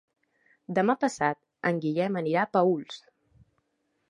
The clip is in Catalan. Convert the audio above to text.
Demà passat en Guillem anirà a Paüls.